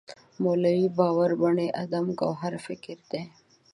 مولوی باور بني ادم ګوهر فکر دی.